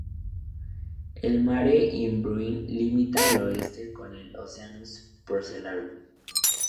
El Mare Imbrium limita al oeste con el Oceanus Procellarum.